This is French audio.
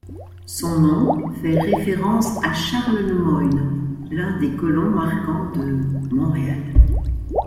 Son nom fait référence à Charles Le Moyne, l'un des colons marquants de Montréal.